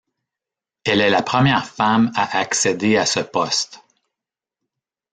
Elle est la première femme à accéder à ce poste.